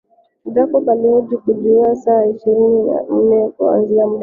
Jacob alihoji kujua saa ishirini na nne zitaanzia muda gani